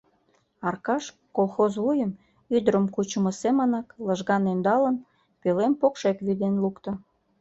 Аркаш, колхоз вуйым ӱдырым кучымо семынак лыжган ӧндалын, пӧлем покшек вӱден лукто.